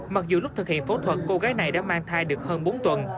mặc dù lúc thực hiện phẫu thuật cô gái này đã mang thai được hơn bốn tuần